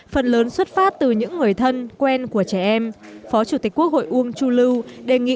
phần lớn xuất phát từ những người thân quen của trẻ em phó chủ tịch quốc hội uông chu lưu đề nghị